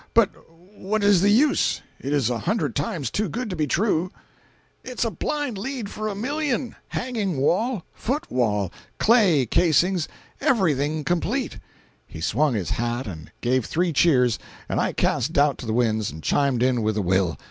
But what is the use? It is a hundred times too good to be true." "It's a blind lead, for a million!—hanging wall—foot wall—clay casings—everything complete!" He swung his hat and gave three cheers, and I cast doubt to the winds and chimed in with a will.